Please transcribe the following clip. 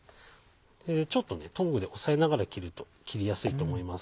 ちょっとトングで押さえながら切ると切りやすいと思います。